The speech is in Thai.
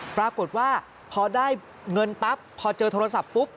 ปรากฏว่าพอได้เงินปั๊บพอเจอโทรศัพท์ปุ๊บ